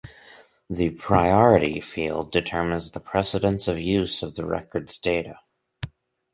The "priority" field determines the precedence of use of the record's data.